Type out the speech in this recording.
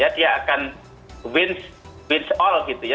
dia akan win all gitu ya